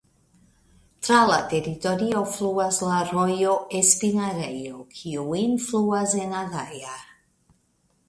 Tra la teritorio fluas la rojo Espinarejo kiu enfluas en Adaja.